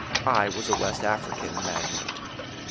I was a West African magnate.